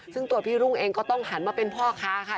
ซึ่งตัวพี่รุ่งเองก็ต้องหันมาเป็นพ่อค้าค่ะ